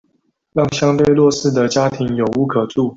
讓相對弱勢的家庭有屋可住